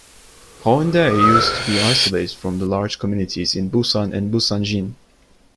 Haeundae used to be isolated from the large communities in Busan and Busanjin.